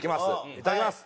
いただきます。